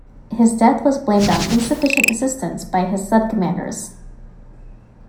His death was blamed on insufficient assistance by his subcommanders.